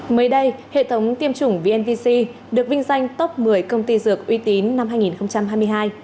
mới đây hệ thống tiêm chủng vnvc được vinh danh top một mươi công ty dược uy tín năm hai nghìn hai mươi hai